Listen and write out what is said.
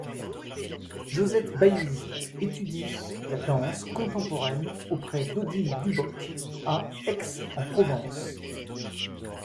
Josette Baïz étudie la danse contemporaine auprès d'Odile Duboc à Aix-en-Provence.